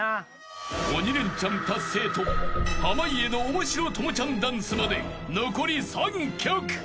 ［鬼レンチャン達成と濱家のおもしろ朋ちゃんダンスまで残り３曲］